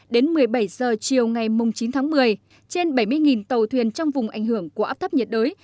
đến một mươi bảy h chiều ngày chín tháng một mươi trên bảy mươi tàu thuyền trong vùng ảnh hưởng của áp thấp nhiệt đới